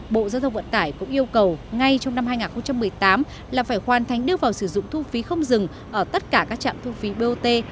bộ giao thông vận tải cũng yêu cầu ngay trong năm hai nghìn một mươi tám là phải hoàn thành đưa vào sử dụng thu phí không dừng ở tất cả các trạm thu phí bot